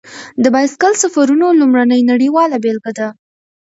د بایسکل سفرونو لومړنی نړیواله بېلګه دی.